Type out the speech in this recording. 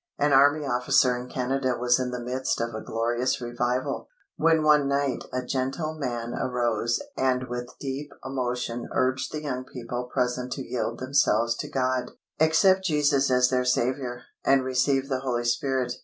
An Army Officer in Canada was in the midst of a glorious revival, when one night a gentleman arose and with deep emotion urged the young people present to yield themselves to God, accept Jesus as their Saviour, and receive the Holy Spirit.